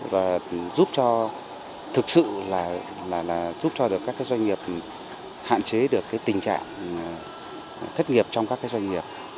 và giúp cho thực sự là giúp cho được các doanh nghiệp hạn chế được tình trạng thất nghiệp trong các doanh nghiệp